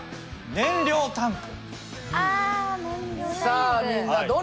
燃料タンク。